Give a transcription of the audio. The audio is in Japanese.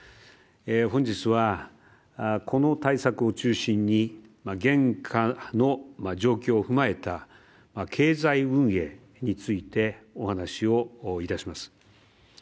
本日はこの対策を中心に現下の状況を踏まえた経済運営についてお話をいたします。